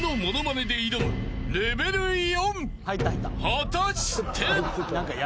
［果たして］